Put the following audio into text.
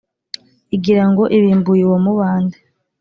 Igira ngo ibimbuye uwo mubande,